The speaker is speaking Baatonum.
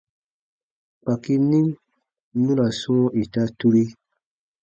Kpaki ni nu ra sɔ̃ɔ ita turi.